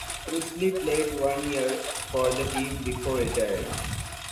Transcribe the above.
Presley played one year for the team before retiring.